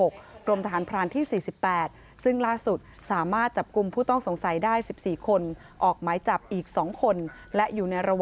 กรมทหารพรานที่๔๘ซึ่งล่าสุดสามารถจับกุมผู้ต้องสงสัยได้๑๔คน